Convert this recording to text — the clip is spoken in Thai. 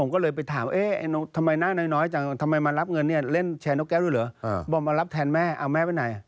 ก็ไม่อยู่แล้วสิ